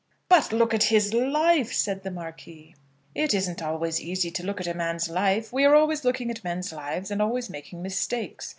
"But look at his life," said the Marquis. "It isn't always easy to look at a man's life. We are always looking at men's lives, and always making mistakes.